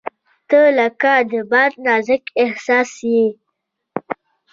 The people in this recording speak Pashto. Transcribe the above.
• ته لکه د باد نازک احساس یې.